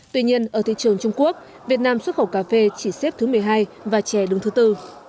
tuy nhiên ở thị trường trung quốc việt nam xuất khẩu cà phê chỉ xếp thứ một mươi hai và chè đứng thứ tư